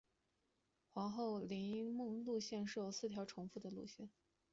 皇后林荫路线设有四条重叠的路线。